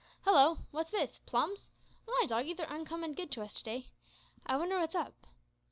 Hallo! wot's this plums? Why, doggie, they're oncommon good to us to day. I wonder wot's up.